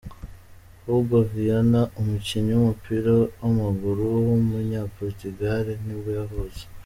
Hugo Viana, umukinnyi w’umupira w’amaguru w’umunyaportugal nibwo yavutse.